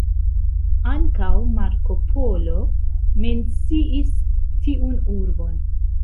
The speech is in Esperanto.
Ankaŭ Marko Polo menciis tiun urbon.